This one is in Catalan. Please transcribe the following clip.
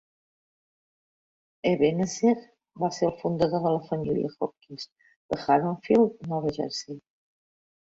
Ebenezer va ser el fundador de la família Hopkins de Haddonfield, Nova Jersey.